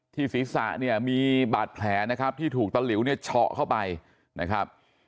ศีรษะเนี่ยมีบาดแผลนะครับที่ถูกตะหลิวเนี่ยเฉาะเข้าไปนะครับ